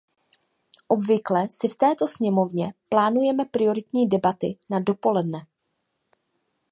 Obvykle si v této sněmovně plánujeme prioritní debaty na dopoledne.